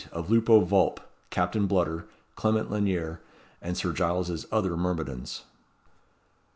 Of Lupo Vulp, Captain Bludder, Clement Lanyere, and Sir Giles's other Myrmidons.